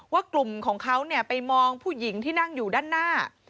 ว่ากลุ่มของเขาไปมองผู้หญิงที่นั่งอยู่ด้านหน้า